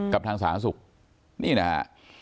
ทางสาธารณสุขนี่นะฮะ